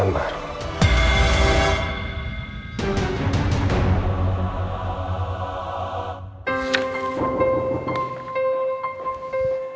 tentang kemahiran kita